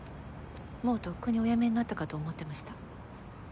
もうとっくにおやめになったかと思ってました。